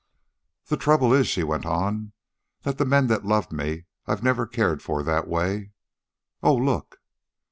"The trouble is," she went on, "the men that loved me I never cared for that way. Oh, look!"